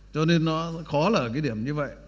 cho nên nó khó là ở cái điểm như vậy